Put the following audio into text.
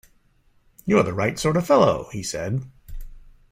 “You’re the right sort of fellow,” he said.